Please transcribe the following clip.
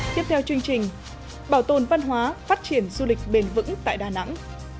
tiếp theo chương trình bảo tồn văn hóa phát triển du lịch bền vững tại đà nẵng